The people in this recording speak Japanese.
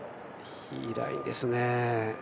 いいラインですね。